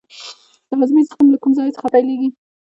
د هاضمې سیستم له کوم ځای څخه پیلیږي